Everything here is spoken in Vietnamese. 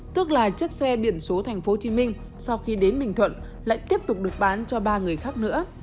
tức là chiếc xe biển số tp hcm sau khi đến bình thuận lại tiếp tục được bán cho ba người khác nữa